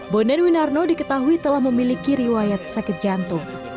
bondan winarno diketahui telah memiliki riwayat sakit jantung